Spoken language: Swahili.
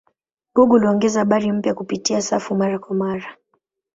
Google huongeza habari mpya kupitia safu mara kwa mara.